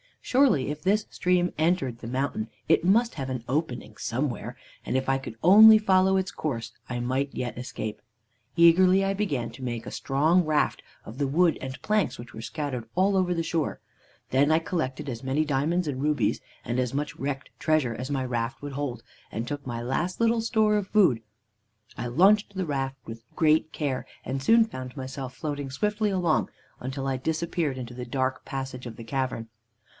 Surely if this stream entered the mountain it must have an opening somewhere, and if I could only follow its course I might yet escape. "Eagerly I began to make a strong raft of the wood and planks which were scattered all over the shore. Then I collected as many diamonds and rubies and as much wrecked treasure as my raft would hold, and took my last little store of food. I launched the raft with great care, and soon found myself floating swiftly along until I disappeared into the dark passage of the cavern.